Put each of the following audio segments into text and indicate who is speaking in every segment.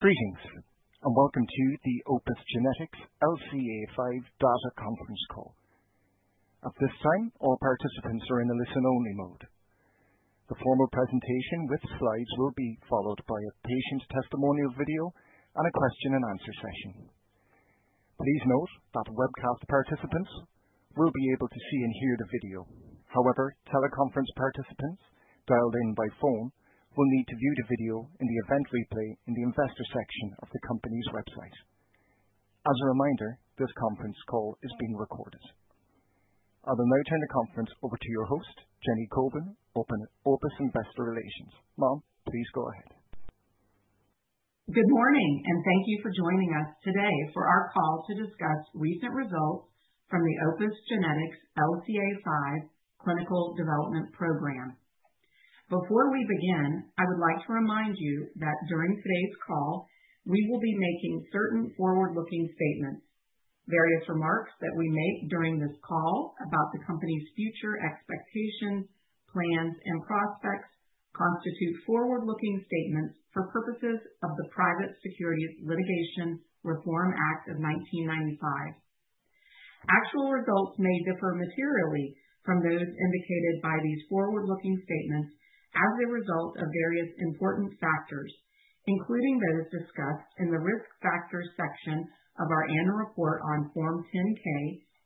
Speaker 1: Greetings, and welcome to the Opus Genetics LCA5 Data Conference Call. At this time, all participants are in a listen-only mode. The formal presentation with slides will be followed by a patient testimonial video and a question-and-answer session. Please note that webcast participants will be able to see and hear the video. However, teleconference participants dialed in by phone will need to view the video in the event replay in the investor section of the company's website. As a reminder, this conference call is being recorded. I will now turn the conference over to your host, Jenny Kobin, Opus Investor Relations. Ma'am, please go ahead.
Speaker 2: Good morning, and thank you for joining us today for our call to discuss recent results from the Opus Genetics LCA5 clinical development program. Before we begin, I would like to remind you that during today's call, we will be making certain forward-looking statements. Various remarks that we make during this call about the company's future expectations, plans, and prospects constitute forward-looking statements for purposes of the Private Securities Litigation Reform Act of 1995. Actual results may differ materially from those indicated by these forward-looking statements as a result of various important factors, including those discussed in the Risk Factors section of our Annual Report on Form 10-K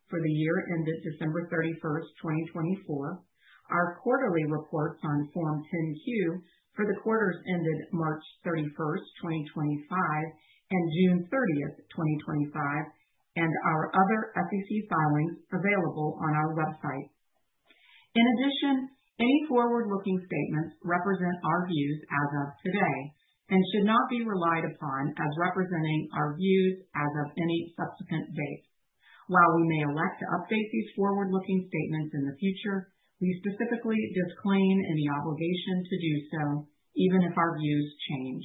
Speaker 2: for the year ended December 31st, 2024, our Quarterly Reports on Form 10-Q for the quarters ended March 31st, 2025, and June 30th, 2025, and our other SEC filings available on our website. In addition, any forward-looking statements represent our views as of today and should not be relied upon as representing our views as of any subsequent date. While we may elect to update these forward-looking statements in the future, we specifically disclaim any obligation to do so, even if our views change.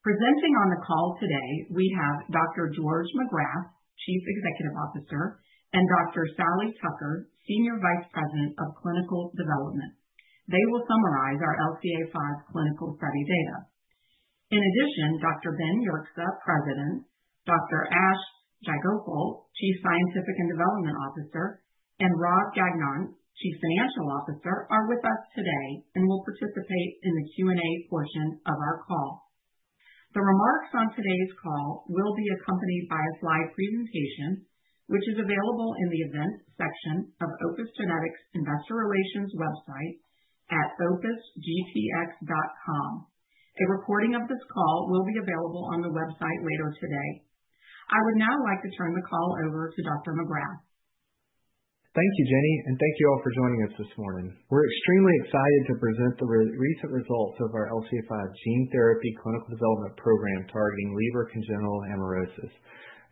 Speaker 2: Presenting on the call today, we have Dr. George Magrath, Chief Executive Officer, and Dr. Sally Tucker, Senior Vice President of Clinical Development. They will summarize our LCA5 clinical study data. In addition, Dr. Ben Yerxa, President, Dr. Ash Jayagopal, Chief Scientific and Development Officer, and Rob Gagnon, Chief Financial Officer, are with us today and will participate in the Q&A portion of our call. The remarks on today's call will be accompanied by a slide presentation, which is available in the Events section of Opus Genetics' Investor Relations website at opusgtx.com. A recording of this call will be available on the website later today. I would now like to turn the call over to Dr. Magrath.
Speaker 3: Thank you, Jenny, and thank you all for joining us this morning. We're extremely excited to present the recent results of our LCA5 gene therapy clinical development program targeting Leber congenital amaurosis.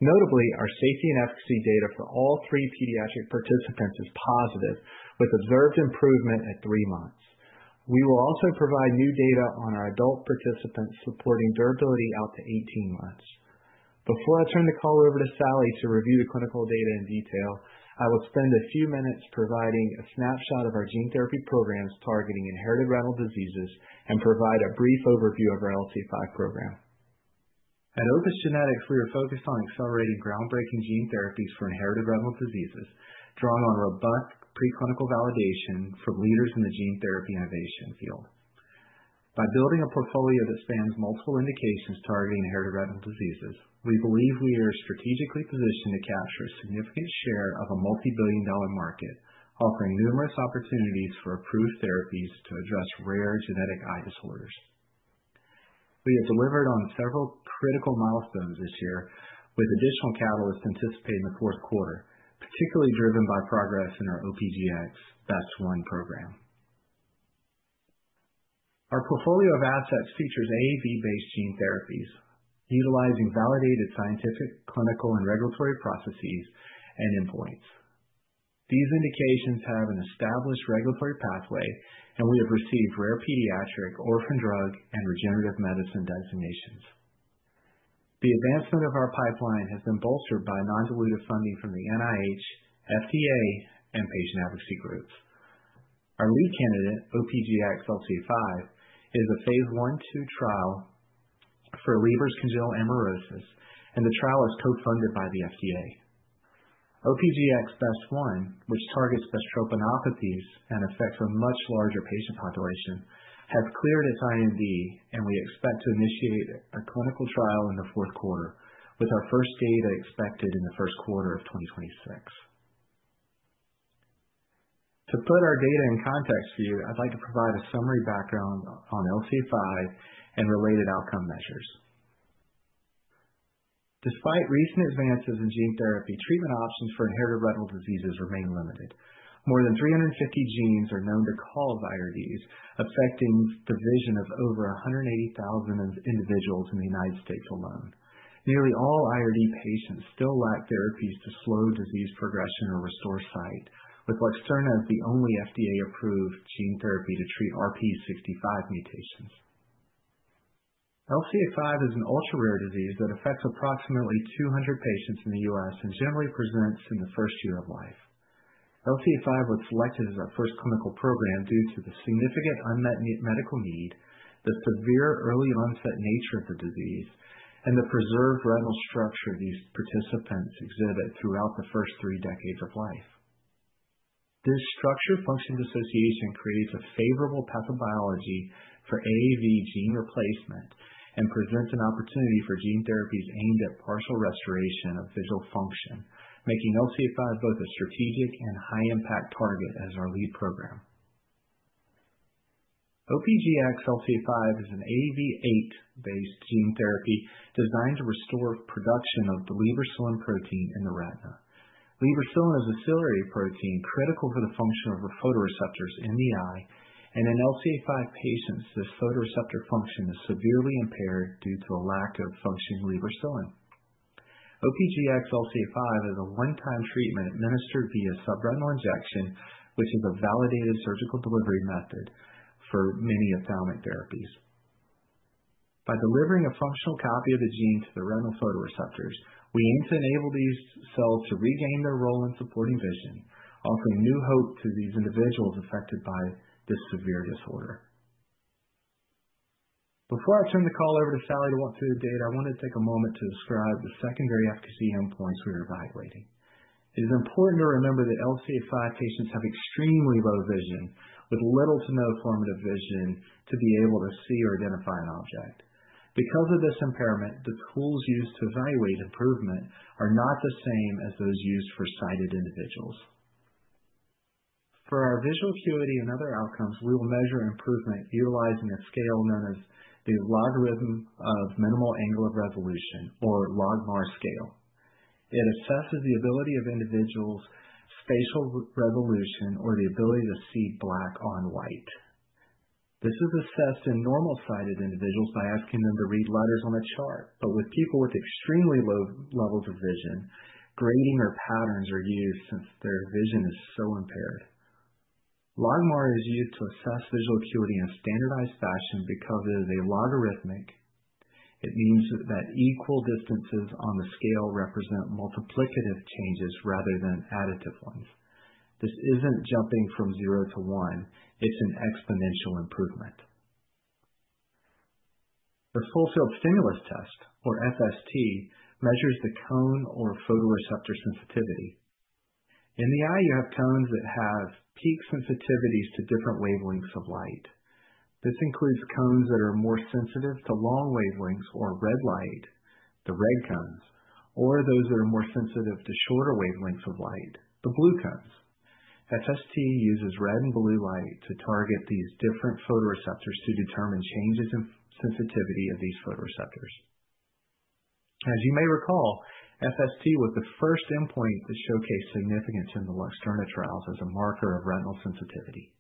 Speaker 3: Notably, our safety and efficacy data for all three pediatric participants is positive, with observed improvement at three months. We will also provide new data on our adult participants, supporting durability out to 18 months. Before I turn the call over to Sally to review the clinical data in detail, I will spend a few minutes providing a snapshot of our gene therapy programs targeting inherited retinal diseases and provide a brief overview of our LCA5 program. At Opus Genetics, we are focused on accelerating groundbreaking gene therapies for inherited retinal diseases, drawing on robust preclinical validation from leaders in the gene therapy innovation field. By building a portfolio that spans multiple indications targeting inherited retinal diseases, we believe we are strategically positioned to capture a significant share of a multibillion-dollar market, offering numerous opportunities for approved therapies to address rare genetic eye disorders. We have delivered on several critical milestones this year, with additional catalysts anticipated in the fourth quarter, particularly driven by progress in our OPGx-BEST1 program. Our portfolio of assets features AAV-based gene therapies utilizing validated scientific, clinical, and regulatory processes and endpoints. These indications have an established regulatory pathway, and we have received rare pediatric orphan drug and regenerative medicine designations. The advancement of our pipeline has been bolstered by non-dilutive funding from the NIH, FDA, and patient advocacy groups. Our lead candidate, OPGx-LCA5, is a phase I/II trial for Leber congenital amaurosis, and the trial is co-funded by the FDA. OPGx-BEST1, which targets bestrophinopathies and affects a much larger patient population, has cleared its IND, and we expect to initiate a clinical trial in the fourth quarter, with our first data expected in the first quarter of 2026. To put our data in context for you, I'd like to provide a summary background on LCA5 and related outcome measures. Despite recent advances in gene therapy, treatment options for inherited retinal diseases remain limited. More than 350 genes are known to cause IRDs, affecting the vision of over 180,000 individuals in the United States alone. Nearly all IRD patients still lack therapies to slow disease progression or restore sight, with Luxturna the only FDA-approved gene therapy to treat RPE65 mutations. LCA5 is an ultra-rare disease that affects approximately 200 patients in the U.S. and generally presents in the first year of life. LCA5 was selected as our first clinical program due to the significant unmet medical need, the severe early onset nature of the disease, and the preserved retinal structure these participants exhibit throughout the first three decades of life. This structure-function association creates a favorable pathobiology for AAV gene replacement and presents an opportunity for gene therapies aimed at partial restoration of visual function, making LCA5 both a strategic and high-impact target as our lead program. OPGx-LCA5 is an AAV8-based gene therapy designed to restore production of the lebercilin protein in the retina. Lebercilin is an auxiliary protein critical to the function of the photoreceptors in the eye. In LCA5 patients, this photoreceptor function is severely impaired due to a lack of functioning lebercilin. OPGx-LCA5 is a one-time treatment administered via subretinal injection, which is a validated surgical delivery method for many ophthalmic therapies. By delivering a functional copy of the gene to the retinal photoreceptors, we aim to enable these cells to regain their role in supporting vision, offering new hope to these individuals affected by this severe disorder. Before I turn the call over to Sally to walk through the data, I want to take a moment to describe the secondary efficacy endpoints we are evaluating. It is important to remember that LCA5 patients have extremely low vision, with little to no functional vision to be able to see or identify an object. Because of this impairment, the tools used to evaluate improvement are not the same as those used for sighted individuals. For our visual acuity and other outcomes, we will measure improvement utilizing a scale known as the logarithm of the minimum angle of resolution, or LogMAR scale. It assesses the ability of individuals' spatial resolution or the ability to see black on white. This is assessed in normal-sighted individuals by asking them to read letters on a chart. With people with extremely low levels of vision, gratings or patterns are used since their vision is so impaired. LogMAR is used to assess visual acuity in a standardized fashion. Because it is logarithmic, it means that equal distances on the scale represent multiplicative changes rather than additive ones. This isn't jumping from zero to one. It's an exponential improvement. The full-field stimulus test, or FST, measures the cone or photoreceptor sensitivity. In the eye, you have cones that have peak sensitivities to different wavelengths of light. This includes cones that are more sensitive to long wavelengths or red light, the red cones, or those that are more sensitive to shorter wavelengths of light, the blue cones. FST uses red and blue light to target these different photoreceptors to determine changes in sensitivity of these photoreceptors. As you may recall, FST was the first endpoint to showcase significance in the Luxturna trials as a marker of retinal sensitivity.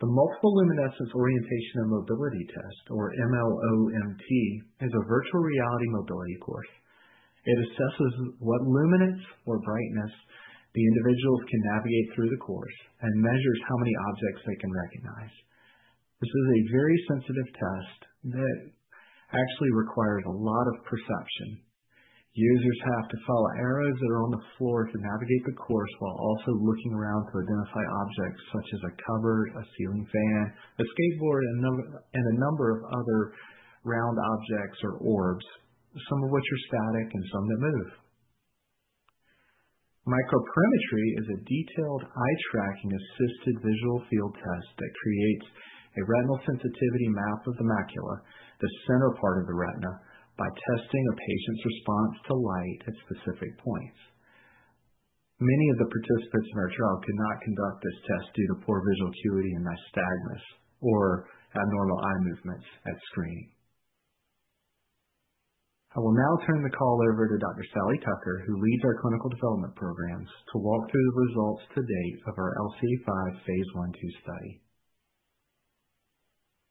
Speaker 3: The Multi-Luminance Orientation and Mobility Test, or MLoMT, is a virtual reality mobility course. It assesses what luminance or brightness the individuals can navigate through the course and measures how many objects they can recognize. This is a very sensitive test that actually requires a lot of perception. Users have to follow arrows that are on the floor to navigate the course while also looking around to identify objects such as a cupboard, a ceiling fan, a skateboard, and a number of other round objects or orbs, some of which are static and some that move. Microperimetry is a detailed eye-tracking assisted visual field test that creates a retinal sensitivity map of the macula, the center part of the retina, by testing a patient's response to light at specific points. Many of the participants in our trial could not conduct this test due to poor visual acuity and nystagmus or abnormal eye movements at screening. I will now turn the call over to Dr. Sally Tucker, who leads our clinical development programs, to walk through the results to date of our LCA5 phase I/II study.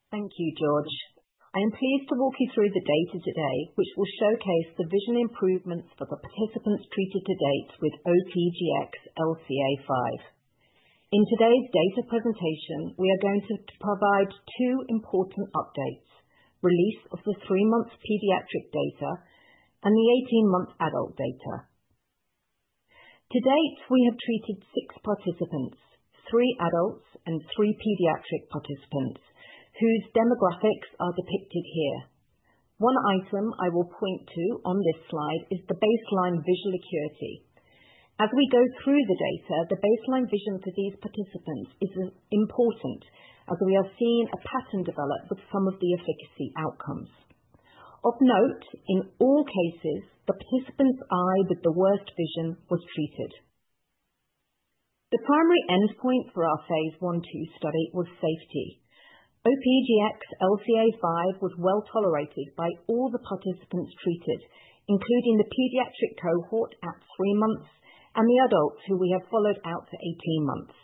Speaker 4: Thank you, George. I am pleased to walk you through the data today, which will showcase the vision improvements for the participants treated to date with OPGx-LCA5. In today's data presentation, we are going to provide two important updates. Release of the three-month pediatric data and the 18-month adult data. To date, we have treated six participants, three adults and three pediatric participants, whose demographics are depicted here. One item I will point to on this slide is the baseline visual acuity. As we go through the data, the baseline vision for these participants is important as we are seeing a pattern develop with some of the efficacy outcomes. Of note, in all cases, the participant's eye with the worst vision was treated. The primary endpoint for our phase I/II study was safety. OPGx-LCA5 was well-tolerated by all the participants treated, including the pediatric cohort at three months and the adults who we have followed out to 18 months.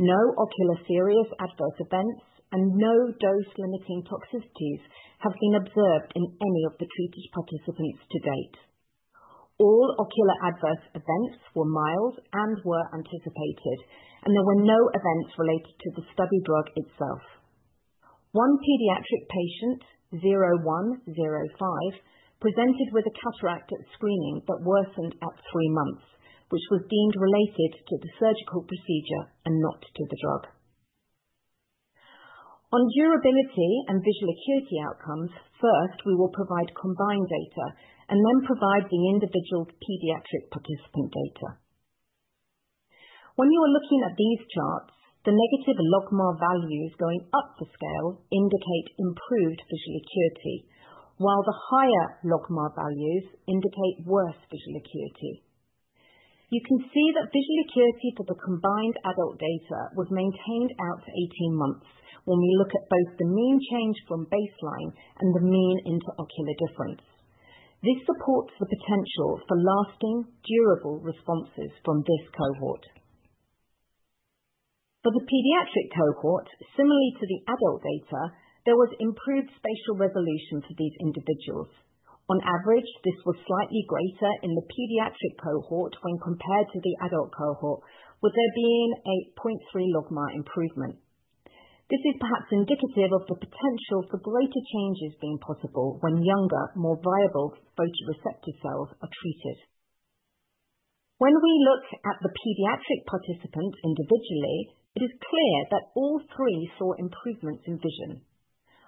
Speaker 4: No ocular serious adverse events and no dose-limiting toxicities have been observed in any of the treated participants to date. All ocular adverse events were mild and were anticipated, and there were no events related to the study drug itself. One pediatric patient, 0105, presented with a cataract at screening but worsened at three months, which was deemed related to the surgical procedure and not to the drug. On durability and visual acuity outcomes, first, we will provide combined data and then provide the individual pediatric participant data. When you are looking at these charts, the negative LogMAR values going up the scale indicate improved visual acuity, while the higher LogMAR values indicate worse visual acuity. You can see that visual acuity for the combined adult data was maintained out to 18 months when we look at both the mean change from baseline and the mean interocular difference. This supports the potential for lasting, durable responses from this cohort. For the pediatric cohort, similarly to the adult data, there was improved spatial resolution for these individuals. On average, this was slightly greater in the pediatric cohort when compared to the adult cohort, with there being a 0.3 LogMAR improvement. This is perhaps indicative of the potential for greater changes being possible when younger, more viable photoreceptor cells are treated. When we look at the pediatric participants individually, it is clear that all three saw improvements in vision.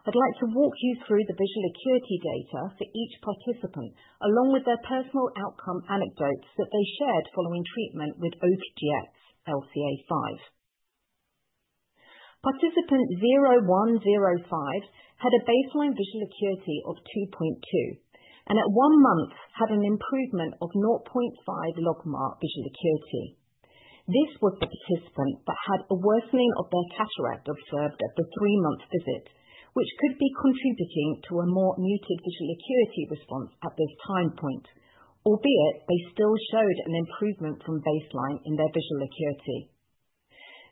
Speaker 4: I'd like to walk you through the visual acuity data for each participant, along with their personal outcome anecdotes that they shared following treatment with OPGx-LCA5. Participant 0105 had a baseline visual acuity of 2.2, and at one month had an improvement of 0.5 LogMAR visual acuity. This was the participant that had a worsening of their cataract observed at the three-month visit, which could be contributing to a more muted visual acuity response at this time point, albeit they still showed an improvement from baseline in their visual acuity.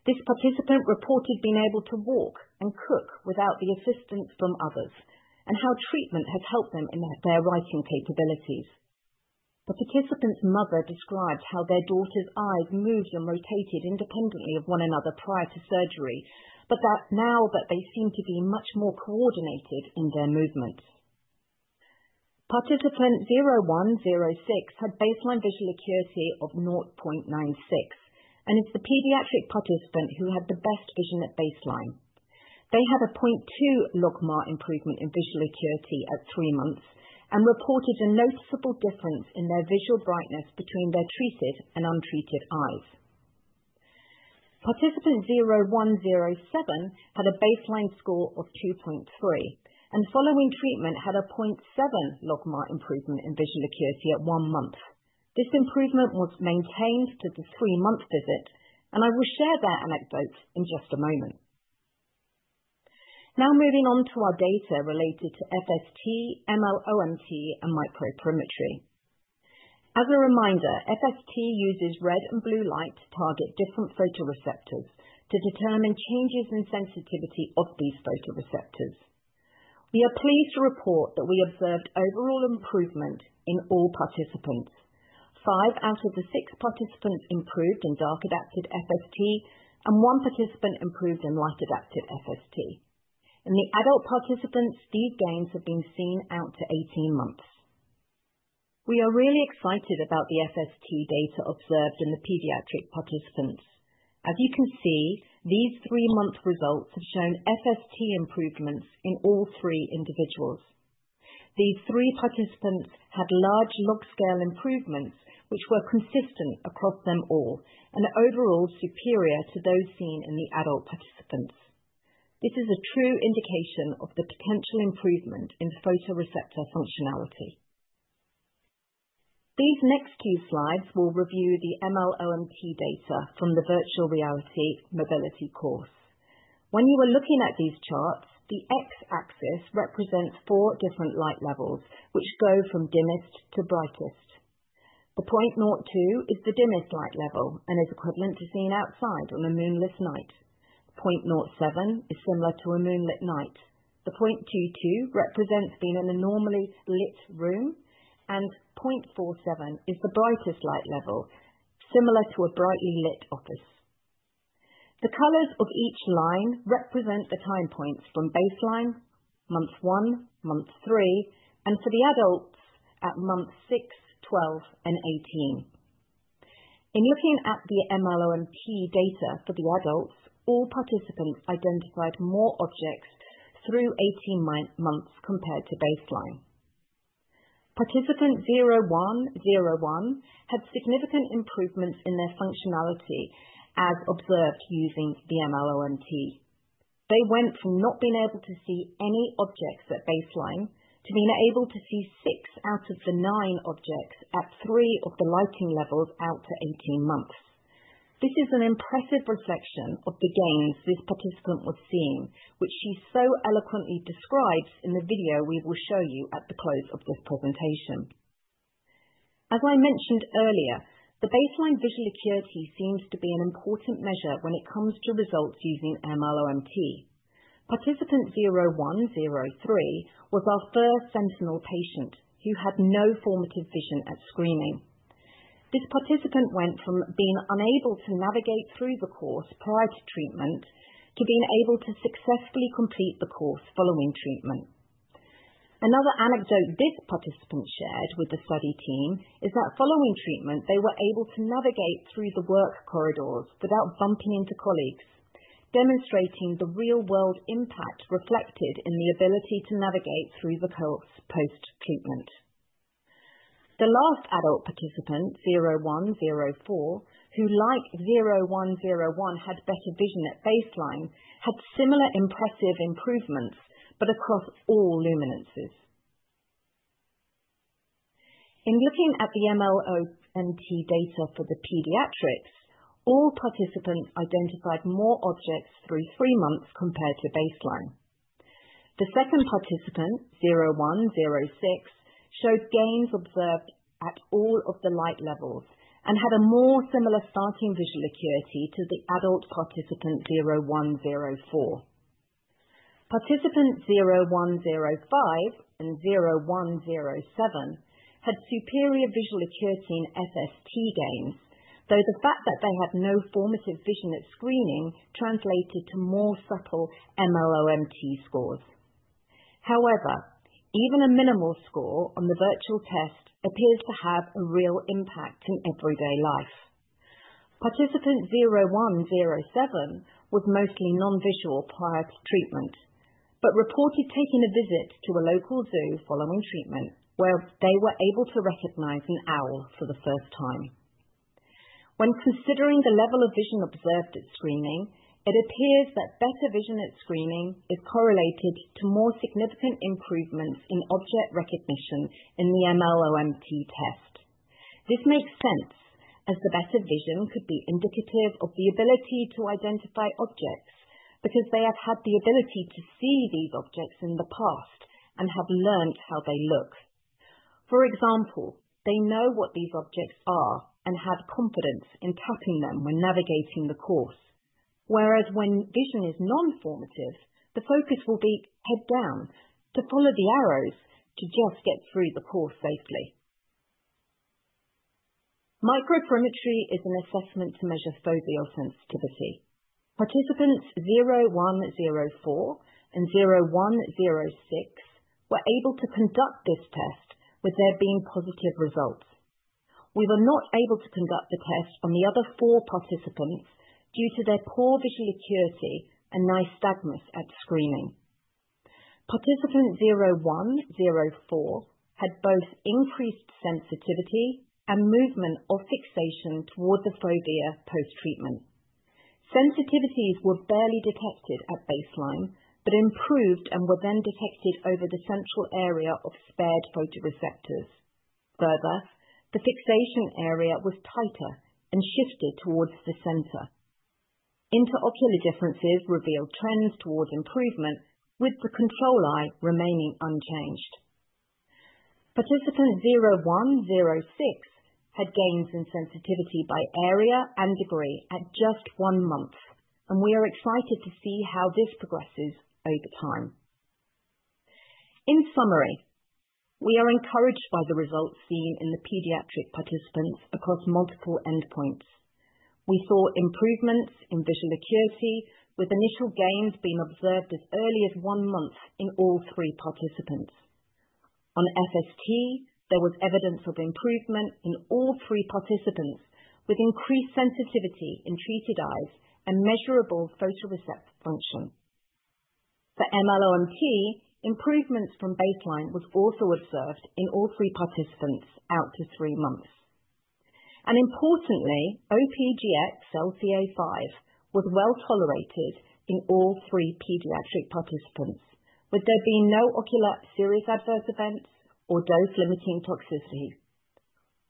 Speaker 4: This participant reported being able to walk and cook without the assistance from others and how treatment has helped them in their writing capabilities. The participant's mother describes how their daughter's eyes moved and rotated independently of one another prior to surgery, but now that they seem to be much more coordinated in their movements. Participant 0106 had baseline visual acuity of 0.96 and is the pediatric participant who had the best vision at baseline. They had a 0.2 LogMAR improvement in visual acuity at 3 months and reported a noticeable difference in their visual brightness between their treated and untreated eyes. Participant 0107 had a baseline score of 2.3 and following treatment, had a 0.7 LogMAR improvement in visual acuity at one month. This improvement was maintained to the three-month visit, and I will share their anecdotes in just a moment. Now moving on to our data related to FST, MLoMT, and Microperimetry. As a reminder, FST uses red and blue light to target different photoreceptors to determine changes in sensitivity of these photoreceptors. We are pleased to report that we observed overall improvement in all participants. Five out of the six participants improved in dark-adapted FST, and one participant improved in light-adapted FST. In the adult participants, these gains have been seen out to 18 months. We are really excited about the FST data observed in the pediatric participants. As you can see, these three-month results have shown FST improvements in all three individuals. These three participants had large log scale improvements, which were consistent across them all and are overall superior to those seen in the adult participants. This is a true indication of the potential improvement in photoreceptor functionality. These next few slides will review the MLoMT data from the virtual reality mobility course. When you are looking at these charts, the X-axis represents four different light levels, which go from dimmest to brightest. The point 0.02 is the dimmest light level and is equivalent to seeing outside on a moonless night. Point 0.07 is similar to a moonlit night. The 0.22 represents being in a normally lit room, and 0.47 is the brightest light level, similar to a brightly lit office. The colors of each line represent the time points from baseline, month one, month three, and for the adults, at month six, 12, and 18. In looking at the MLoMT data for the adults, all participants identified more objects through 18 months compared to baseline. Participant 0101 had significant improvements in their functionality as observed using the MLoMT. They went from not being able to see any objects at baseline to being able to see six out of the nine objects at three of the lighting levels out to 18 months. This is an impressive reflection of the gains this participant was seeing, which she so eloquently describes in the video we will show you at the close of this presentation. As I mentioned earlier, the baseline visual acuity seems to be an important measure when it comes to results using MLoMT. Participant 0103 was our first sentinel patient who had no functional vision at screening. This participant went from being unable to navigate through the course prior to treatment, to being able to successfully complete the course following treatment. Another anecdote this participant shared with the study team is that following treatment, they were able to navigate through the work corridors without bumping into colleagues, demonstrating the real-world impact reflected in the ability to navigate through the course post-treatment. The last adult participant, 0104, who like 0101, had better vision at baseline, had similar impressive improvements, but across all luminances. In looking at the MLoMT data for the pediatrics, all participants identified more objects through three months compared to baseline. The second participant, 0106, showed gains observed at all of the light levels and had a more similar starting visual acuity to the adult participant 0104. Participants 0105 and 0107 had superior visual acuity in FST gains, though the fact that they had no functional vision at screening translated to more subtle MLoMT scores. However, even a minimal score on the virtual test appears to have a real impact in everyday life. Participant 0107 was mostly non-visual prior to treatment, but reported taking a visit to a local zoo following treatment, where they were able to recognize an owl for the first time. When considering the level of vision observed at screening, it appears that better vision at screening is correlated to more significant improvements in object recognition in the MLoMT test. This makes sense, as the better vision could be indicative of the ability to identify objects because they have had the ability to see these objects in the past and have learned how they look. For example, they know what these objects are and have confidence in touching them when navigating the course. Whereas when vision is non-formative, the focus will be head down to follow the arrows to just get through the course safely. Microperimetry is an assessment to measure foveal sensitivity. Participants 0104 and 0106 were able to conduct this test with there being positive results. We were not able to conduct the test on the other four participants due to their poor visual acuity and nystagmus at screening. Participant 0104 had both increased sensitivity and movement or fixation towards the fovea post-treatment. Sensitivities were barely detected at baseline, but improved and were then detected over the central area of spared photoreceptors. Further, the fixation area was tighter and shifted towards the center. Interocular differences revealed trends towards improvement, with the control eye remaining unchanged. Participant 0106 had gains in sensitivity by area and degree at just one month, and we are excited to see how this progresses over time. In summary, we are encouraged by the results seen in the pediatric participants across multiple endpoints. We saw improvements in visual acuity, with initial gains being observed as early as one month in all three participants. On FST, there was evidence of improvement in all three participants, with increased sensitivity in treated eyes and measurable photoreceptor function. For MLoMT, improvements from baseline was also observed in all three participants out to three months. Importantly, OPGx-LCA5 was well-tolerated in all three pediatric participants, with there being no ocular serious adverse events or dose-limiting toxicity.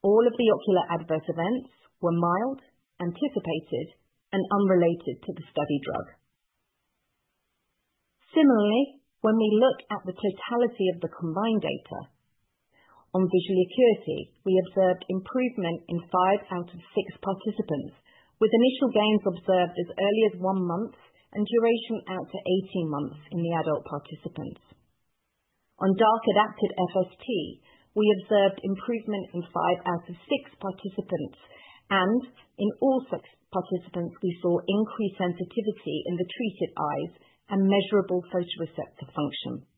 Speaker 4: All of the ocular adverse events were mild, anticipated, and unrelated to the study drug. Similarly, when we look at the totality of the combined data on visual acuity, we observed improvement in 5 out of 6 participants, with initial gains observed as early as 1 month and duration out to 18 months in the adult participants. On dark-adapted FST, we observed improvement in five out of six participants and in all six participants, we saw increased sensitivity in the treated eyes and measurable photoreceptor function.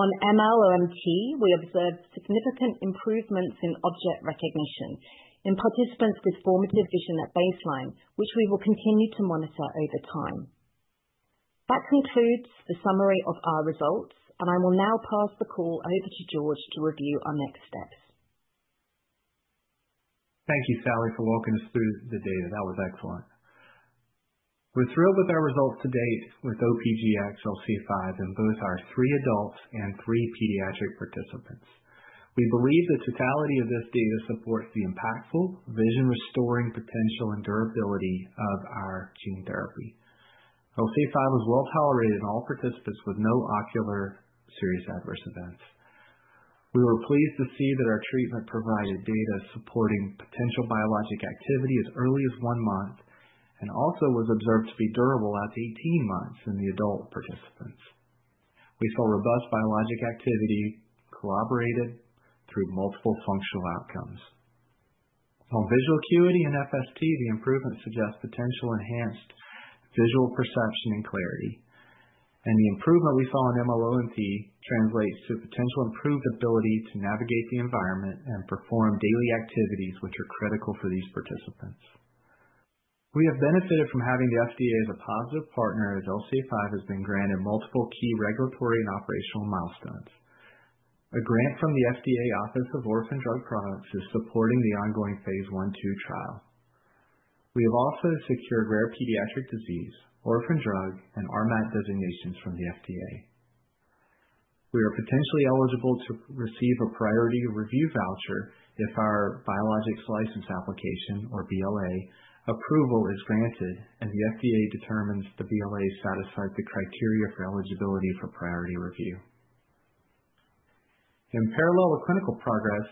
Speaker 4: On MLoMT, we observed significant improvements in object recognition in participants with formative vision at baseline, which we will continue to monitor over time. That concludes the summary of our results, and I will now pass the call over to George to review our next steps.
Speaker 3: Thank you, Sally, for walking us through the data. That was excellent. We're thrilled with our results to date with OPGx-LCA5 in both our three adults and three pediatric participants. We believe the totality of this data supports the impactful vision-restoring potential and durability of our gene therapy. LCA5 was well-tolerated in all participants with no ocular serious adverse events. We were pleased to see that our treatment provided data supporting potential biologic activity as early as one month, and also was observed to be durable at 18 months in the adult participants. We saw robust biologic activity corroborated through multiple functional outcomes. On visual acuity and FST, the improvement suggests potential enhanced visual perception and clarity, and the improvement we saw in MLoMT translates to potential improved ability to navigate the environment and perform daily activities, which are critical for these participants. We have benefited from having the FDA as a positive partner, as LCA5 has been granted multiple key regulatory and operational milestones. A grant from the FDA Office of Orphan Products Development is supporting the ongoing phase I/II trial. We have also secured rare pediatric disease, orphan drug, and RMAT designations from the FDA. We are potentially eligible to receive a priority review voucher if our biologics license application, or BLA, approval is granted and the FDA determines the BLA satisfies the criteria for eligibility for priority review. In parallel with clinical progress,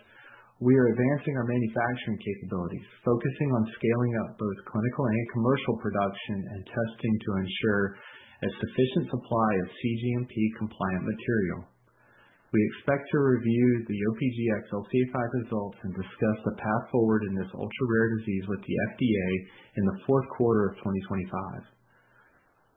Speaker 3: we are advancing our manufacturing capabilities, focusing on scaling up both clinical and commercial production and testing to ensure a sufficient supply of cGMP-compliant material. We expect to review the OPGx-LCA5 results and discuss a path forward in this ultra-rare disease with the FDA in the fourth quarter of 2025.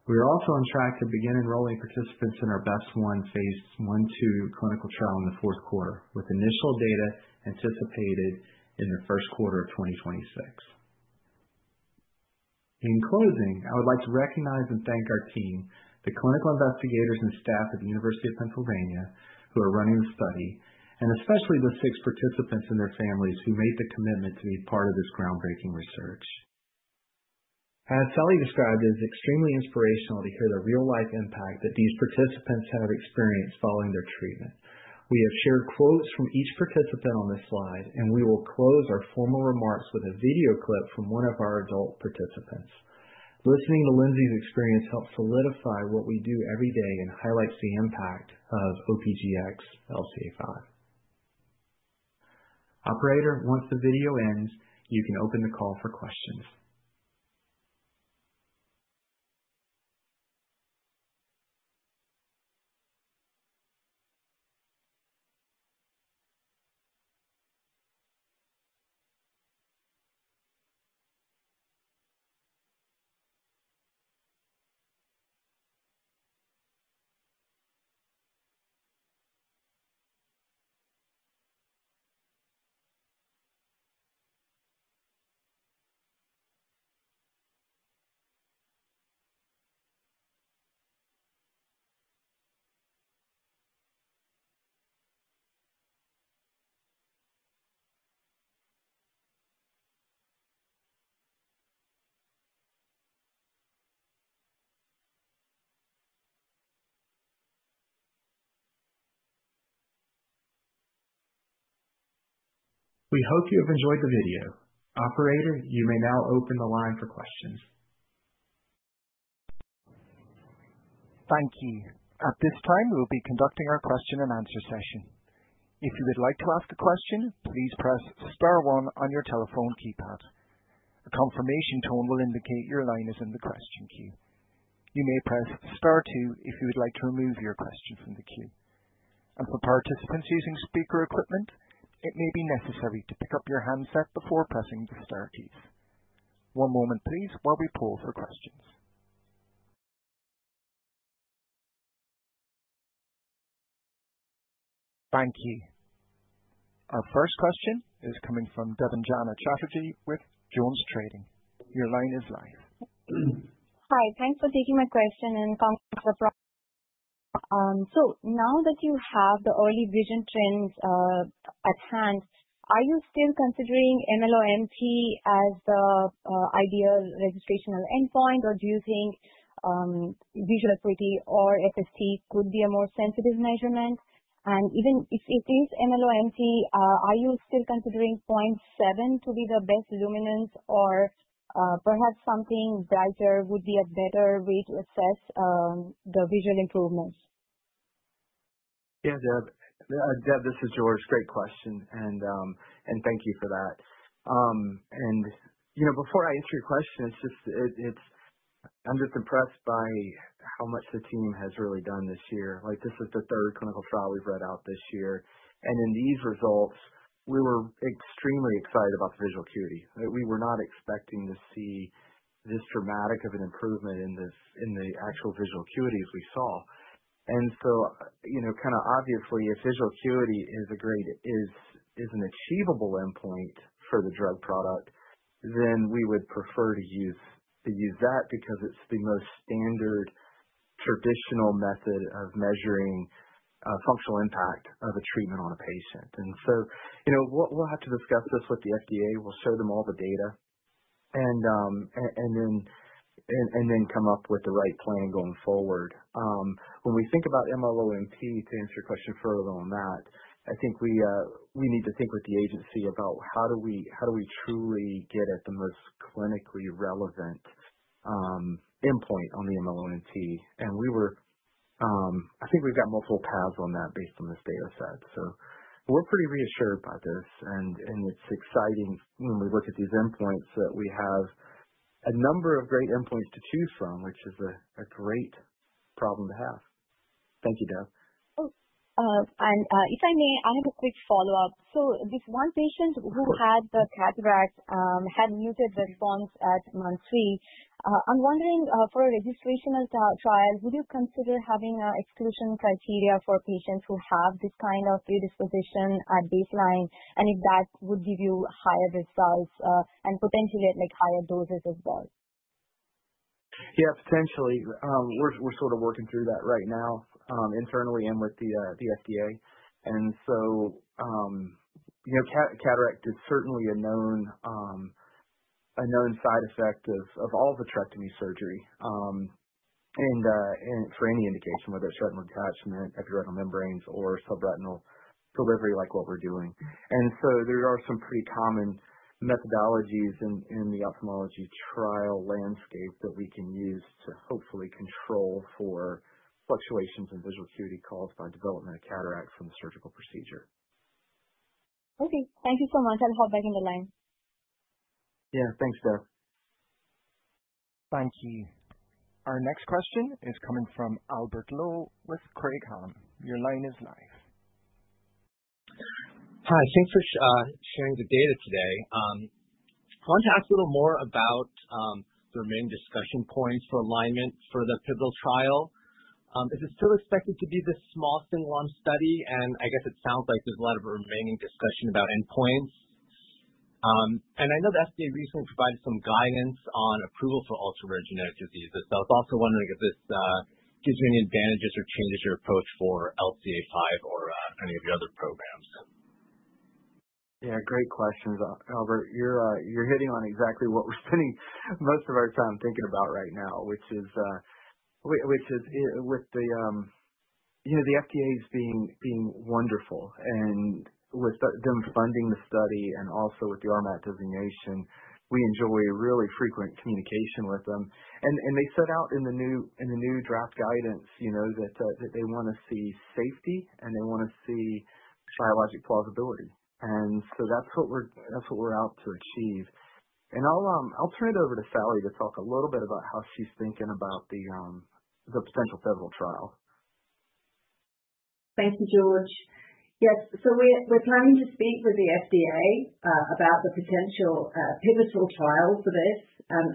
Speaker 3: We are also on track to begin enrolling participants in our BEST1 phase I/II clinical trial in the fourth quarter, with initial data anticipated in the first quarter of 2026. In closing, I would like to recognize and thank our team, the clinical investigators and staff at the University of Pennsylvania who are running the study, and especially the six participants and their families who made the commitment to be part of this groundbreaking research. As Sally described, it is extremely inspirational to hear the real-life impact that these participants have experienced following their treatment. We have shared quotes from each participant on this slide, and we will close our formal remarks with a video clip from one of our adult participants. Listening to Lindsey's experience helps solidify what we do every day and highlights the impact of OPGx-LCA5. Operator, once the video ends, you can open the call for questions. We hope you have enjoyed the video. Operator, you may now open the line for questions.
Speaker 1: Thank you. At this time, we'll be conducting our question-and-answer session. If you would like to ask a question, please press star one on your telephone keypad. A confirmation tone will indicate your line is in the question queue. You may press star two if you would like to remove your question from the queue. For participants using speaker equipment, it may be necessary to pick up your handset before pressing the star keys. One moment please while we poll for questions. Thank you. Our first question is coming from Debanjana Chatterjee with JonesTrading. Your line is live.
Speaker 5: Hi. Thanks for taking my question and congrats on the progress. Now that you have the early vision trends at hand, are you still considering MLoMT as the ideal registrational endpoint, or do you think visual acuity or FST could be a more sensitive measurement? Even if it is MLoMT, are you still considering 0.7 to be the best luminance, or perhaps something brighter would be a better way to assess the visual improvements?
Speaker 3: Yeah, Deb. Deb, this is George. Great question, and thank you for that. Before I answer your question, I'm just impressed by how much the team has really done this year. This is the third clinical trial we've read out this year, and in these results, we were extremely excited about the visual acuity. We were not expecting to see this dramatic of an improvement in the actual visual acuity as we saw. Obviously, if visual acuity is an achievable endpoint for the drug product, then we would prefer to use that because it's the most standard traditional method of measuring functional impact of a treatment on a patient. We'll have to discuss this with the FDA. We'll show them all the data and then come up with the right plan going forward. When we think about MLoMT, to answer your question further on that, I think we need to think with the agency about how do we truly get at the most clinically relevant endpoint on the MLoMT. I think we've got multiple paths on that based on this data set. We're pretty reassured about this, and it's exciting when we look at these endpoints that we have a number of great endpoints to choose from, which is a great problem to have. Thank you, Deb.
Speaker 5: Oh, if I may, I have a quick follow-up. This one patient who had the cataract had muted response at month three. I'm wondering for a registrational trial, would you consider having an exclusion criteria for patients who have this kind of predisposition at baseline, and if that would give you higher results and potentially higher doses as well?
Speaker 3: Yeah, potentially. We're sort of working through that right now internally and with the FDA. Cataract is certainly a known side effect of all vitrectomy surgery, and for any indication whether it's retinal detachment, epiretinal membranes or subretinal delivery like what we're doing. There are some pretty common methodologies in the ophthalmology trial landscape that we can use to hopefully control for fluctuations in visual acuity caused by development of cataracts from the surgical procedure.
Speaker 5: Okay. Thank you so much. I'll hop back in the line.
Speaker 3: Yeah. Thanks, Deb.
Speaker 1: Thank you. Our next question is coming from Albert Lowe with Craig-Hallum. Your line is live.
Speaker 6: Hi, thanks for sharing the data today. I wanted to ask a little more about the remaining discussion points for alignment for the pivotal trial. Is it still expected to be this small single-arm study? I guess it sounds like there's a lot of remaining discussion about endpoints. I know the FDA recently provided some guidance on approval for ultra-rare genetic diseases. I was also wondering if this gives you any advantages or changes your approach for LCA5 or, any of your other programs.
Speaker 3: Yeah, great questions, Albert. You're hitting on exactly what we're spending most of our time thinking about right now, which is, the FDA is being wonderful, and with them funding the study and also with the RMAT designation, we enjoy really frequent communication with them. They set out in the new draft guidance that they want to see safety, and they want to see biologic plausibility. That's what we're out to achieve. I'll turn it over to Sally to talk a little bit about how she's thinking about the potential pivotal trial.
Speaker 4: Thank you, George. Yes. We're planning to speak with the FDA about the potential pivotal trial for this.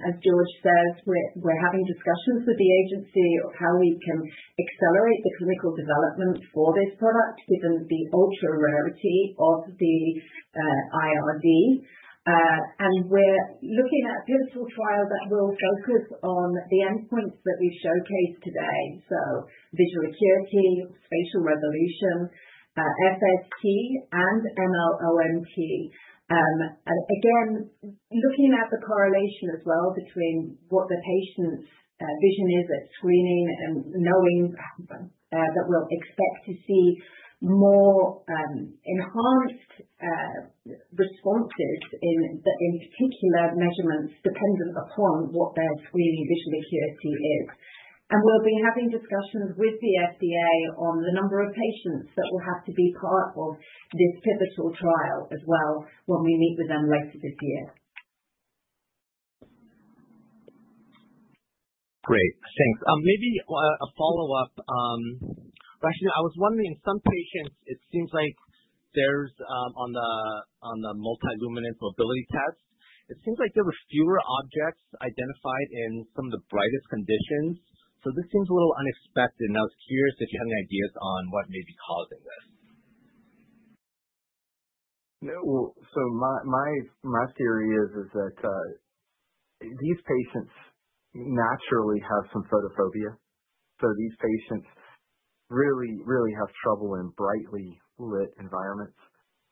Speaker 4: As George says, we're having discussions with the agency on how we can accelerate the clinical development for this product given the ultra-rarity of the IRD. We're looking at a pivotal trial that will focus on the endpoints that we showcased today. Visual acuity, spatial resolution, and FST and MLoMT. Again, looking at the correlation as well between what the patient's vision is at screening and knowing that we'll expect to see more enhanced responses in particular measurements dependent upon what their screening visual acuity is. We'll be having discussions with the FDA on the number of patients that will have to be part of this pivotal trial as well when we meet with them later this year.
Speaker 6: Great. Thanks. Maybe a follow-up. Actually, I was wondering, some patients, it seems like there's, on the Multi-Luminance Mobility Test, it seems like there were fewer objects identified in some of the brightest conditions. This seems a little unexpected, and I was curious if you have any ideas on what may be causing this.
Speaker 3: Yeah. Well, my theory is that these patients naturally have some photophobia. These patients really have trouble in brightly lit environments.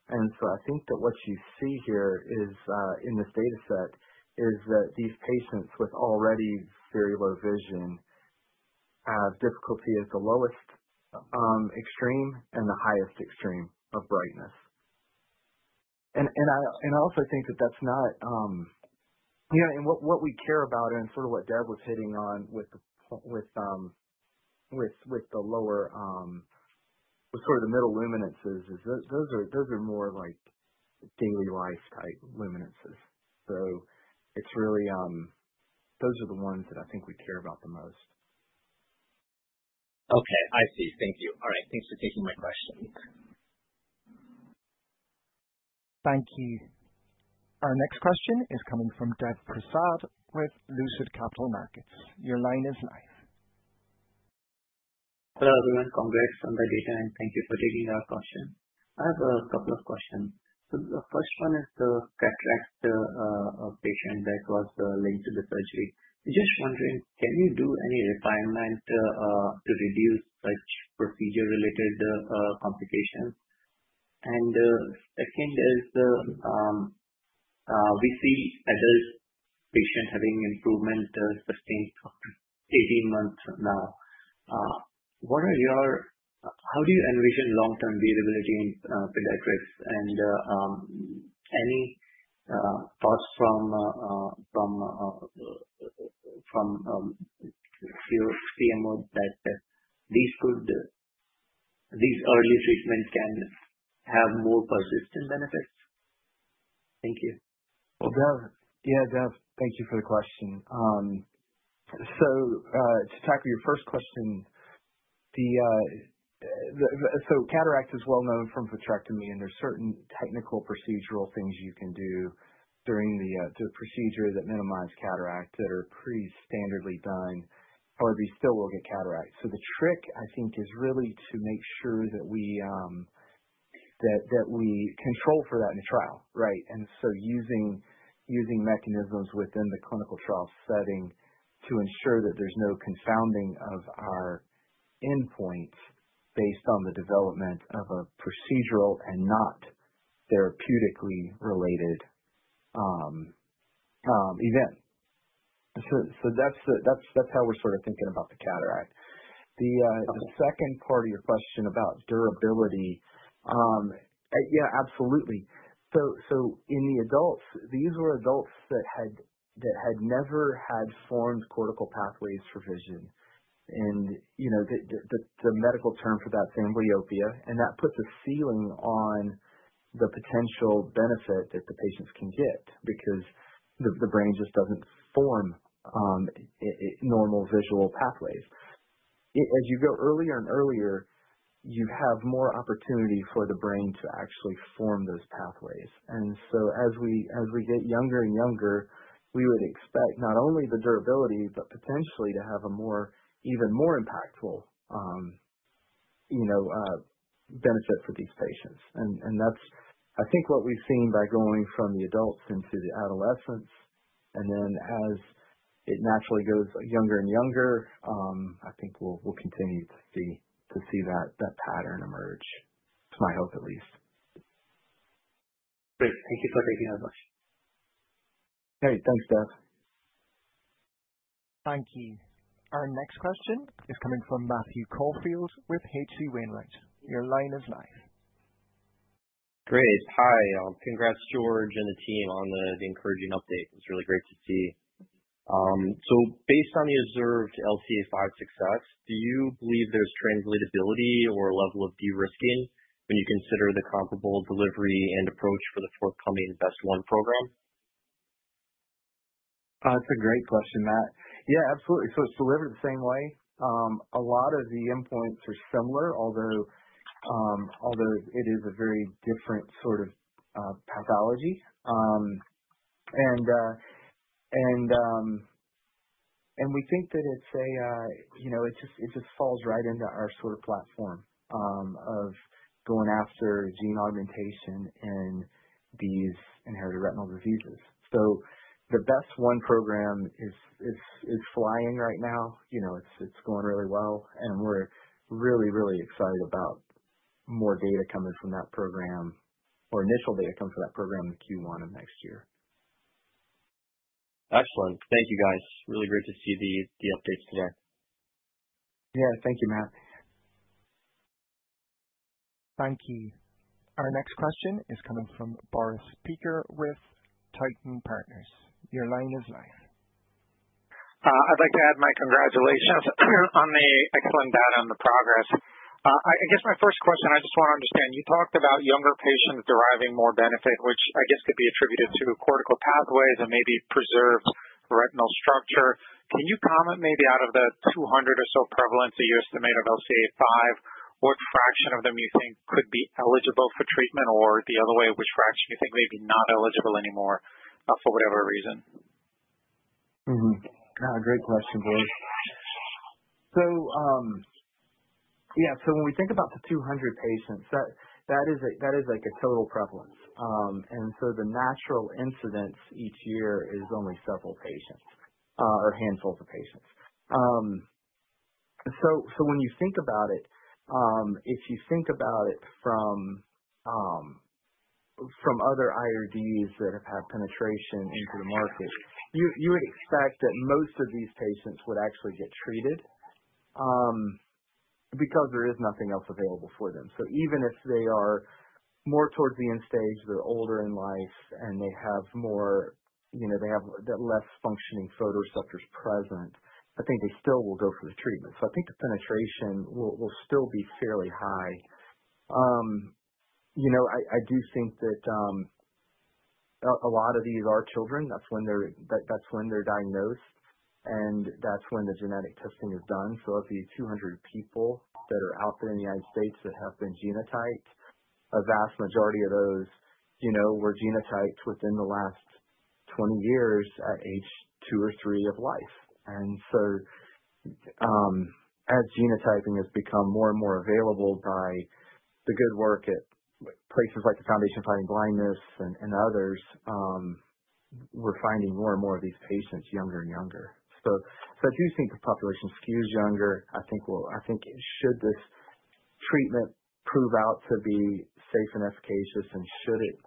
Speaker 3: I think that what you see here, in this data set, is that these patients with already very low vision have difficulty at the lowest extreme and the highest extreme of brightness. I also think that what we care about and sort of what Deb was hitting on with the lower, the sort of the middle luminances, is those are more daily life type luminances. Those are the ones that I think we care about the most.
Speaker 6: Okay. I see. Thank you. All right. Thanks for taking my questions.
Speaker 1: Thank you. Our next question is coming from Dev Prasad with Lucid Capital Markets. Your line is live.
Speaker 7: Hello, everyone. Congrats on the data, and thank you for taking our question. I have a couple of questions. The first one is the cataract patient that was linked to the surgery. Just wondering, can you do any refinement to reduce such procedure-related complications? The second is, we see adult patients having improvement sustained up to 18 months from now. How do you envision long-term durability in pediatrics? Any thoughts from CMO that these early treatments can have more persistent benefits? Thank you.
Speaker 3: Well, Dev. Yeah, Dev, thank you for the question. To tackle your first question, cataract is well-known from vitrectomy, and there's certain technical procedural things you can do during the procedure that minimize cataract, that are pretty standardly done, or they still will get cataracts. The trick, I think, is really to make sure that we control for that in the trial, right? Using mechanisms within the clinical trial setting to ensure that there's no confounding of our endpoints based on the development of a procedural and not therapeutically related event. That's how we're sort of thinking about the cataract. The second part of your question about durability. Yeah, absolutely. In the adults, these were adults that had never had formed cortical pathways for vision. The medical term for that is amblyopia. That puts a ceiling on the potential benefit that the patients can get, because the brain just doesn't form normal visual pathways. As you go earlier and earlier, you have more opportunity for the brain to actually form those pathways. As we get younger and younger, we would expect not only the durability, but potentially to have an even more impactful benefit for these patients. That's, I think, what we've seen by going from the adults into the adolescents. As it naturally goes younger and younger, I think we'll continue to see that pattern emerge. That's my hope, at least.
Speaker 7: Great. Thank you for taking that much.
Speaker 3: Great. Thanks, Dev.
Speaker 1: Thank you. Our next question is coming from Matthew Caufield with H.C. Wainwright. Your line is live.
Speaker 8: Great. Hi. Congrats, George and the team on the encouraging update. It's really great to see. Based on the observed LCA5 success, do you believe there's translatability or level of de-risking when you consider the comparable delivery and approach for the forthcoming BEST1 program?
Speaker 3: That's a great question, Matt. Yeah, absolutely. It's delivered the same way. A lot of the endpoints are similar, although it is a very different sort of pathology. We think that it just falls right into our sort of platform, of going after gene augmentation in these Inherited Retinal Diseases. The BEST1 program is flying right now. It's going really well and we're really, really excited about more data coming from that program or initial data coming from that program in Q1 of next year.
Speaker 8: Excellent. Thank you guys. Really great to see the updates today.
Speaker 3: Yeah. Thank you, Matt.
Speaker 1: Thank you. Our next question is coming from Boris Peaker with Titan Partners. Your line is live.
Speaker 9: I'd like to add my congratulations on the excellent data on the progress. I guess my first question, I just want to understand, you talked about younger patients deriving more benefit, which I guess could be attributed to cortical pathways and maybe preserved retinal structure. Can you comment maybe out of the 200 or so prevalence that you estimate of LCA5, what fraction of them you think could be eligible for treatment? The other way, which fraction you think may be not eligible anymore, for whatever reason?
Speaker 3: Great question, Boris. When we think about the 200 patients, that is like a total prevalence. The natural incidence each year is only several patients, or a handful of patients. When you think about it, if you think about it from other IRDs that have had penetration into the market, you would expect that most of these patients would actually get treated, because there is nothing else available for them. Even if they are more towards the end stage, they're older in life, and they have less functioning photoreceptors present, I think they still will go for the treatment. I think the penetration will still be fairly high. I do think that a lot of these are children. That's when they're diagnosed, and that's when the genetic testing is done. Of the 200 people that are out there in the United States that have been genotyped, a vast majority of those were genotyped within the last 20 years at age two or three of life. As genotyping has become more and more available by the good work at places like the Foundation Fighting Blindness and others, we're finding more and more of these patients younger and younger. I do think the population skews younger. I think should this treatment prove out to be safe and efficacious and should it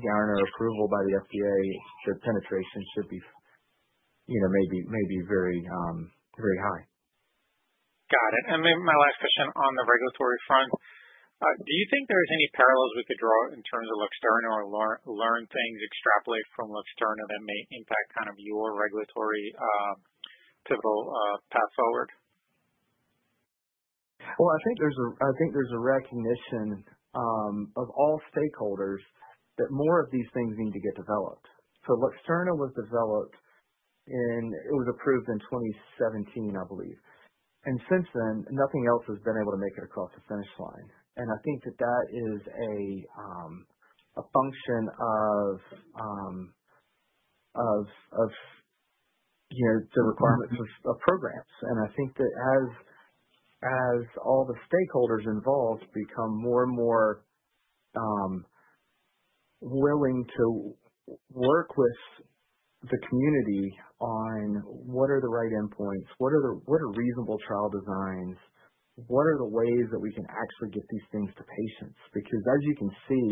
Speaker 3: garner approval by the FDA, the penetration may be very high.
Speaker 9: Got it. Maybe my last question on the regulatory front. Do you think there's any parallels we could draw in terms of Luxturna or learn things, extrapolate from Luxturna that may impact kind of your regulatory typical path forward?
Speaker 3: Well, I think there's a recognition of all stakeholders that more of these things need to get developed. Luxturna was approved in 2017, I believe. Since then, nothing else has been able to make it across the finish line. I think that is a function of the requirements of programs. I think that as all the stakeholders involved become more and more willing to work with the community on what are the right endpoints, what are reasonable trial designs, what are the ways that we can actually get these things to patients. Because as you can see,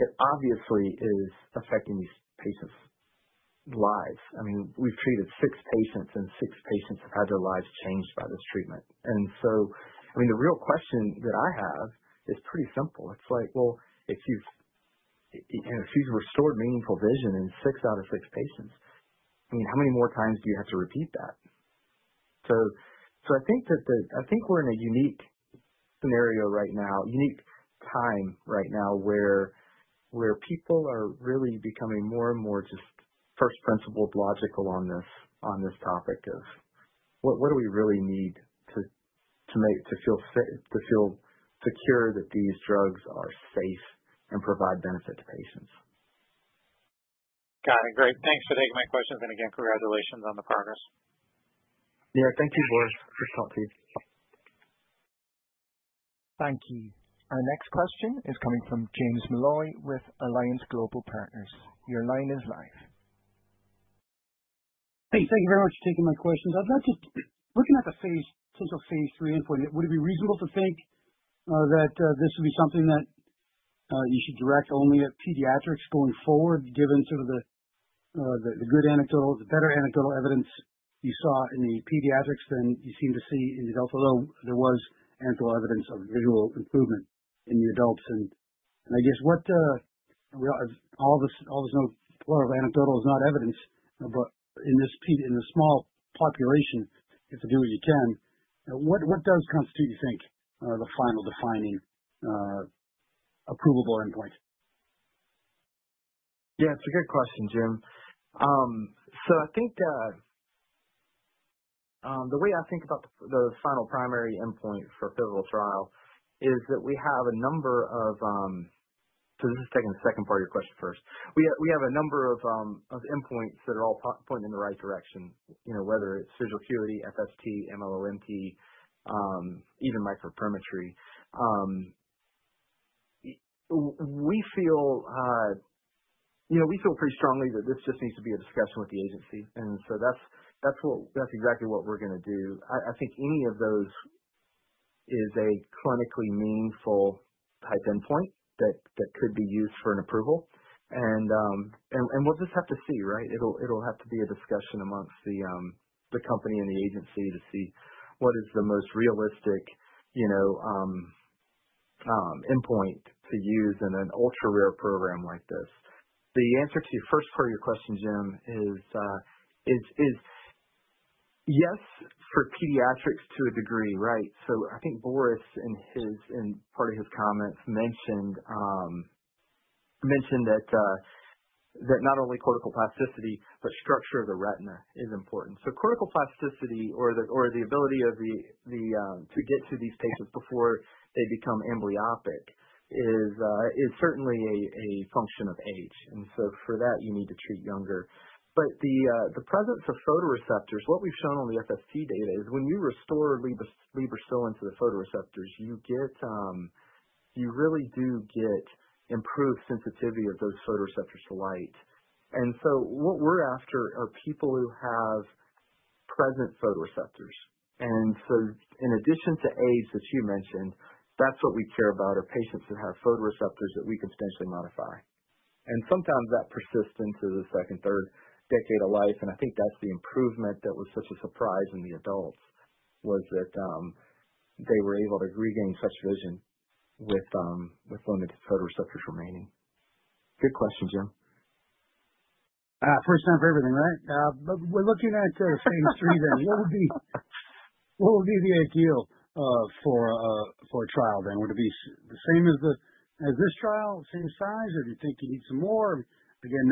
Speaker 3: it obviously is affecting these patients' lives. I mean, we've treated six patients, and six patients have had their lives changed by this treatment. The real question that I have is pretty simple. It's like, well, if you've restored meaningful vision in six out of six patients, how many more times do you have to repeat that? I think we're in a unique scenario right now, unique time right now, where people are really becoming more and more just first principle logical on this topic of what do we really need to feel secure that these drugs are safe and provide benefit to patients.
Speaker 9: Got it. Great. Thanks for taking my questions. Again, congratulations on the progress.
Speaker 3: Yeah. Thank you, Boris, for talking.
Speaker 1: Thank you. Our next question is coming from James Molloy with Alliance Global Partners. Your line is live.
Speaker 10: Hey, thank you very much for taking my questions. I was actually looking at the phase, since phase III and IV, would it be reasonable to think that this would be something that you should direct only at pediatrics going forward, given sort of the better anecdotal evidence you saw in the pediatrics than you seem to see in adults, although there was anecdotal evidence of visual improvement in the adults. I guess all this anecdotal is not evidence, but in this small population, you have to do what you can. What does constitute, you think, the final defining approvable endpoint?
Speaker 3: Yeah. It's a good question, Jim. I think, the way I think about the final primary endpoint for a pivotal trial is that we have a number of. This is taking the second part of your question first. We have a number of endpoints that are all pointing in the right direction, whether it's visual acuity, FST, MLoMT, even microperimetry. We feel pretty strongly that this just needs to be a discussion with the agency, and so that's exactly what we're gonna do. I think any of those is a clinically meaningful type endpoint that could be used for an approval. We'll just have to see, right? It'll have to be a discussion among the company and the agency to see what is the most realistic endpoint to use in an ultra-rare program like this. The answer to the first part of your question, Jim, is yes, for pediatrics to a degree, right? I think Boris, in part of his comments, mentioned that not only cortical plasticity, but structure of the retina is important. Cortical plasticity or the ability to get to these patients before they become amblyopic is certainly a function of age. For that, you need to treat younger. The presence of photoreceptors, what we've shown on the FST data is when you restore lebercilin to the photoreceptors, you really do get improved sensitivity of those photoreceptors to light. What we're after are people who have present photoreceptors. In addition to age, as you mentioned, that's what we care about, are patients that have photoreceptors that we can substantially modify. Sometimes that persistence is the second, third decade of life, and I think that's the improvement that was such a surprise in the adults, was that they were able to regain such vision with limited photoreceptors remaining. Good question, Jim.
Speaker 10: First time for everything, right? We're looking at phase III then. What would be the ideal for a trial then? Would it be the same as this trial, same size? Do you think you need some more? Again,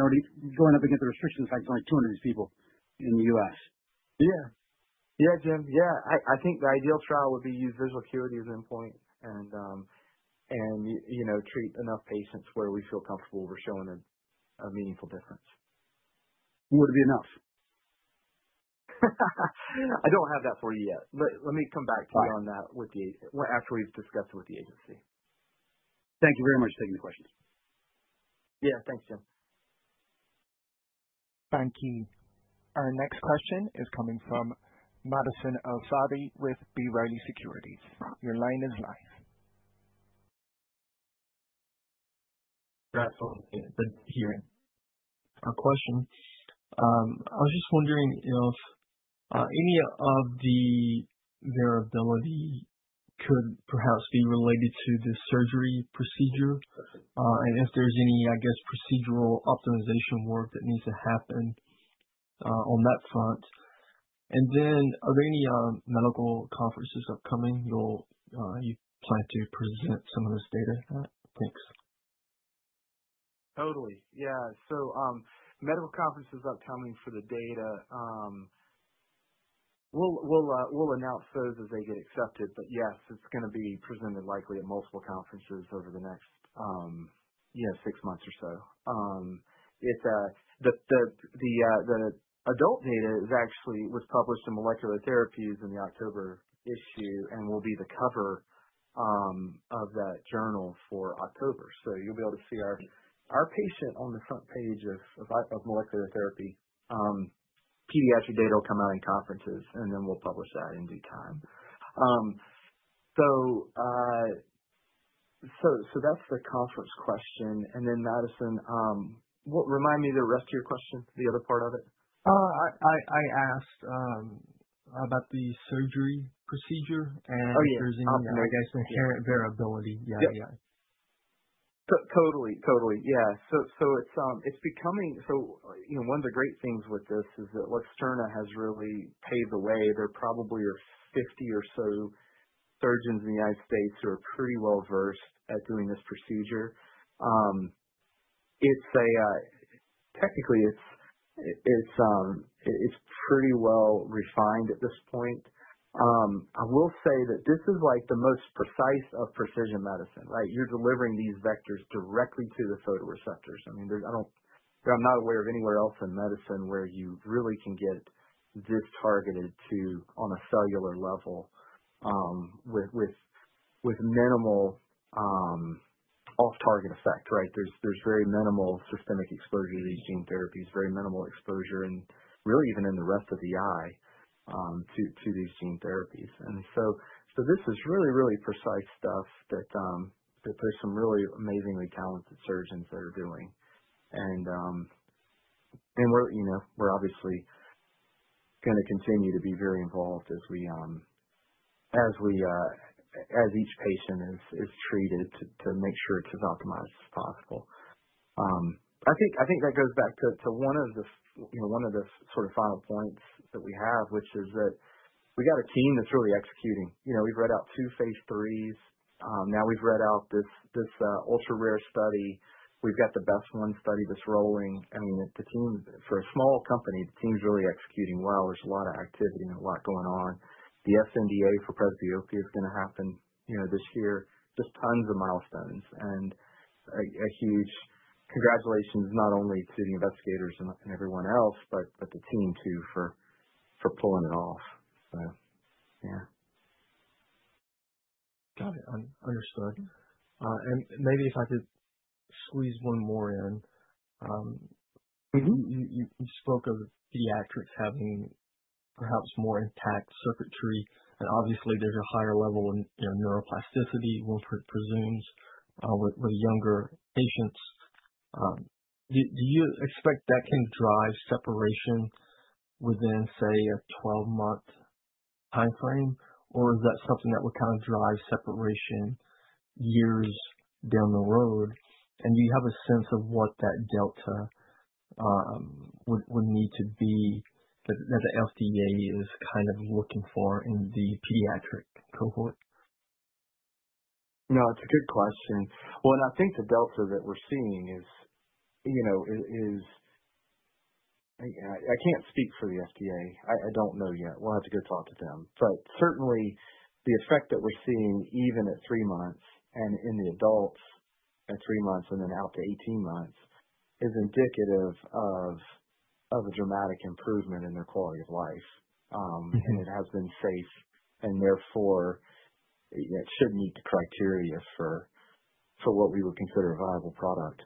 Speaker 10: going up against the restrictions, having only 200 of these people in the U.S.
Speaker 3: Yeah. Yeah, Jim. Yeah. I think the ideal trial would be use visual acuity as an endpoint and treat enough patients where we feel comfortable we're showing a meaningful difference.
Speaker 10: What would be enough?
Speaker 3: I don't have that for you yet. Let me come back to you on that after we've discussed it with the agency.
Speaker 10: Thank you very much for taking the questions.
Speaker 3: Yeah. Thanks, Jim.
Speaker 1: Thank you. Our next question is coming from Madison El-Saadi with B. Riley Securities. Your line is live.
Speaker 11: I was just wondering if any of the variability could perhaps be related to the surgery procedure, and if there's any, I guess, procedural optimization work that needs to happen on that front. Are there any medical conferences upcoming you plan to present some of this data at? Thanks.
Speaker 3: Totally. Yeah. Medical conference is upcoming for the data. We'll announce those as they get accepted. Yes, it's gonna be presented likely at multiple conferences over the next six months or so. The adult data actually was published in Molecular Therapy in the October issue and will be the cover of that journal for October. You'll be able to see our patient on the front page of Molecular Therapy. Pediatric data will come out in conferences, and then we'll publish that in due time. That's the conference question. Then, Madison, remind me the rest of your question, the other part of it.
Speaker 11: I asked about the surgery procedure and.
Speaker 3: Oh, yeah.
Speaker 11: If there's any, I guess, inherent variability. Yeah.
Speaker 3: Yep. Totally. Yeah. One of the great things with this is that Luxturna has really paved the way. There probably are 50 or so surgeons in the United States who are pretty well-versed at doing this procedure. Technically, it's pretty well refined at this point. I will say that this is like the most precise of precision medicine, right? You're delivering these vectors directly to the photoreceptors. I mean, I'm not aware of anywhere else in medicine where you really can get this targeted to on a cellular level, with minimal off-target effect, right? There's very minimal systemic exposure to these gene therapies. Very minimal exposure and really even in the rest of the eye, to these gene therapies. This is really, really precise stuff that there's some really amazingly talented surgeons that are doing. We're obviously gonna continue to be very involved as each patient is treated to make sure it's as optimized as possible. I think that goes back to one of the sort of final points that we have, which is that we got a team that's really executing. We've read out two phase IIIs. Now we've read out this ultra-rare study. We've got the BEST1 study that's rolling. I mean, the team, for a small company, the team's really executing well. There's a lot of activity and a lot going on. The sNDA for presbyopia is gonna happen this year. Just tons of milestones. A huge congratulations, not only to the investigators and everyone else, but the team too, for pulling it off. Yeah.
Speaker 11: Got it. Understood. Maybe if I could squeeze one more in. You spoke of pediatrics having perhaps more intact circuitry, and obviously there's a higher level in neuroplasticity, one presumes, with younger patients. Do you expect that can drive separation within, say, a 12-month timeframe, or is that something that would kind of drive separation years down the road? Do you have a sense of what that delta would need to be that the FDA is kind of looking for in the pediatric cohort?
Speaker 3: No, it's a good question. Well, I think the delta that we're seeing is. I can't speak for the FDA. I don't know yet. We'll have to go talk to them. But certainly, the effect that we're seeing, even at three months, and in the adults at three months and then out to 18 months, is indicative of a dramatic improvement in their quality of life. It has been safe and therefore it should meet the criteria for what we would consider a viable product.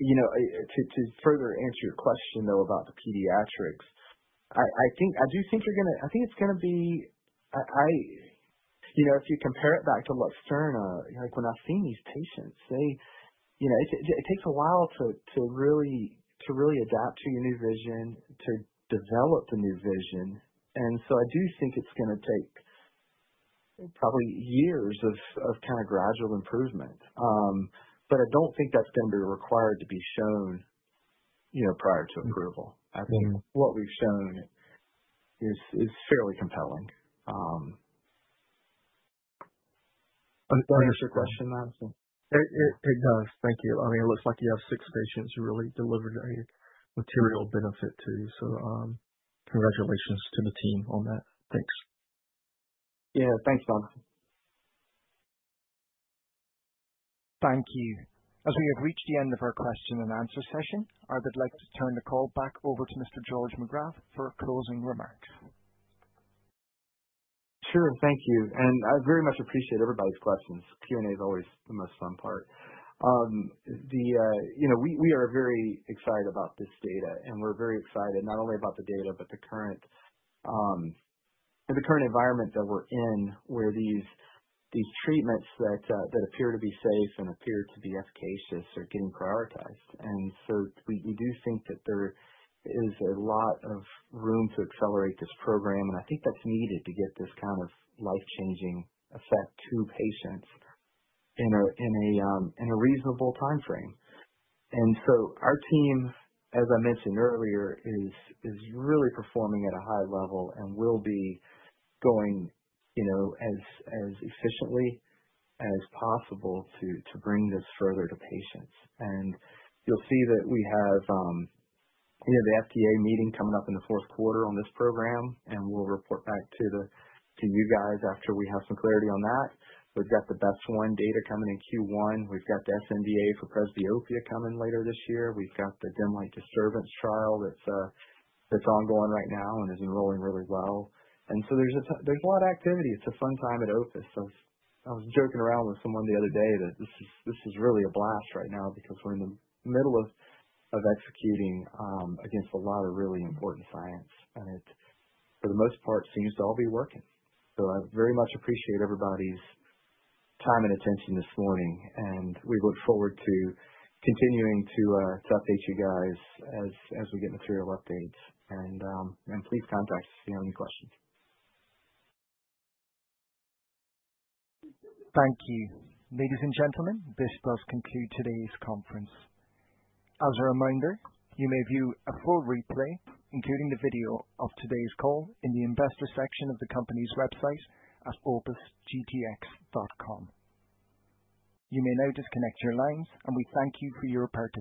Speaker 3: To further answer your question, though, about the pediatrics, I think if you compare it back to Luxturna, when I've seen these patients, it takes a while to really adapt to your new vision, to develop the new vision. I do think it's gonna take probably years of, kind of, gradual improvement. I don't think that's going to be required to be shown prior to approval. I think what we've shown is fairly compelling. Does that answer your question, Madison?
Speaker 11: It does. Thank you. I mean, it looks like you have six patients who really delivered a material benefit to you, so, congratulations to the team on that. Thanks.
Speaker 3: Yeah. Thanks, Madison.
Speaker 1: Thank you. As we have reached the end of our question-and-answer session, I would like to turn the call back over to Mr. George Magrath for closing remarks.
Speaker 3: Sure. Thank you. I very much appreciate everybody's questions. Q&A is always the most fun part. We are very excited about this data, and we're very excited not only about the data, but the current environment that we're in, where these treatments that appear to be safe and appear to be efficacious are getting prioritized. We do think that there is a lot of room to accelerate this program, and I think that's needed to get this kind of life-changing effect to patients in a reasonable timeframe. Our team, as I mentioned earlier, is really performing at a high level and will be going as efficiently as possible to bring this further to patients. You'll see that we have the FDA meeting coming up in the fourth quarter on this program, and we'll report back to you guys after we have some clarity on that. We've got the BEST1 data coming in Q1. We've got the sNDA for presbyopia coming later this year. We've got the dim light disturbance trial that's ongoing right now and is enrolling really well. There's a lot of activity. It's a fun time at Opus. I was joking around with someone the other day that this is really a blast right now because we're in the middle of executing against a lot of really important science, and it, for the most part, seems to all be working. I very much appreciate everybody's time and attention this morning, and we look forward to continuing to update you guys as we get material updates. Please contact us if you have any questions.
Speaker 1: Thank you. Ladies and gentlemen, this does conclude today's conference. As a reminder, you may view a full replay, including the video of today's call, in the investor section of the company's website at opusgtx.com. You may now disconnect your lines, and we thank you for your participation.